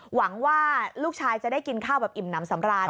หวังว่าลูกชายจะได้กินข้าวแบบอิ่มน้ำสำราญ